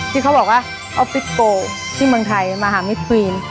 ที่เขาบอกว่าออฟฟิศโปที่เมืองไทยมาหามิทควีน